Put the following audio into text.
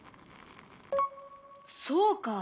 そうか。